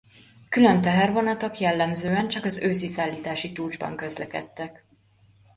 Külön tehervonatok jellemzően csak az őszi szállítási csúcsban közlekedtek.